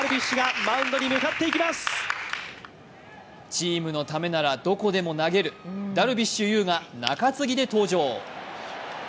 チームのためなら、どこでも投げるダルビッシュ有が中継ぎで登場。